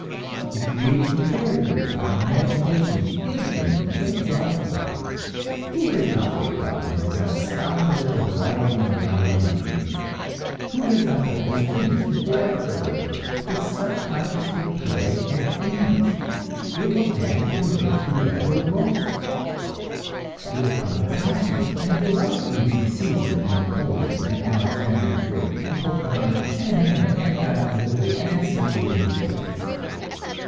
It creates new characters, with an imagination infinite and inexhaustible. Who has not waked up and been astounded at the variety and reality of a dream? Who has not told his dreams and laughed over them? The subconscious will play at games, it will act and rehearse elaborate rôles; it will put on costumes, and delight in being Cæsar and Napoleon and Alexander the Great and Pocahontas and Hamlet and Don Quixote and Siegfried and Achilles.